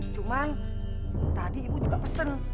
cuman tadi ibu juga pesen